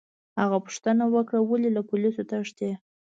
هغه پوښتنه وکړه: ولي، له پولیسو تښتې؟